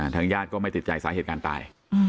ทางญาติก็ไม่ติดใจสาเหตุการณ์ตาย